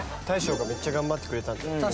大昇がめっちゃ頑張ってくれたんで。